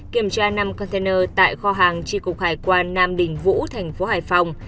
kiểm tra năm container tại kho hàng tri cục hải quan nam đình vũ thành phố hải phòng